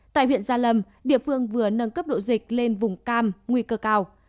tại huyện gia lâm địa phương vừa nâng cấp độ dịch lên vùng cam nguy cơ cao